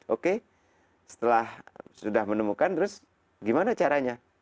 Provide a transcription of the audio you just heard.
oke setelah sudah menemukan terus gimana caranya